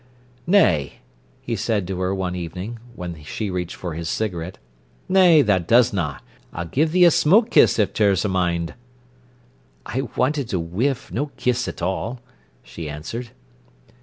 "Nay," he said to her one evening, when she reached for his cigarette. "Nay, tha doesna. I'll gi'e thee a smoke kiss if ter's a mind." "I wanted a whiff, no kiss at all," she answered.